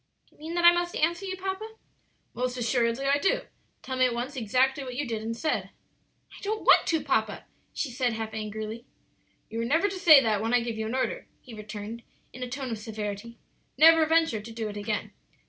"Do you mean that I must answer you, papa?" "Most assuredly I do; tell me at once exactly what you did and said." "I don't want to, papa," she said, half angrily. "You are never to say that when I give you an order," he returned, in a tone of severity; "never venture to do it again.